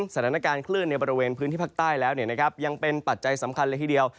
สถานการณ์คลื่นในบริเวณพื้นที่ภาคใต้แล้วยังเป็นปัจจัยสำคัญเลยทีเดียว